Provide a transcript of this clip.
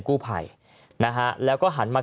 กู้ภัยนะฮะแล้วก็หันมา